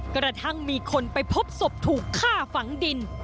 กระทั่งมีคนไปพบศพถูกฆ่าฝังดิน